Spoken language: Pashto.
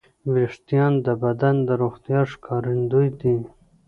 وېښتيان د بدن د روغتیا ښکارندوی دي.